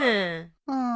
うん。